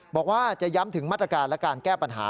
บอกว่าจะย้ำถึงมาตรการและการแก้ปัญหา